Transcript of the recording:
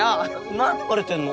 何でバレてんの？